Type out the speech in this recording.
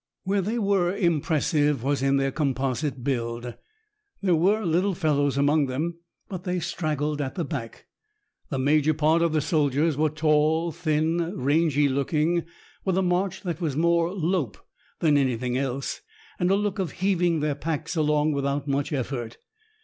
Where they were impressive was in their composite build. There were little fellows among them, but they straggled at the back. The major part of the soldiers were tall, thin, rangy looking, with a march that was more lope than anything else and a look of heaving their packs along without much effort.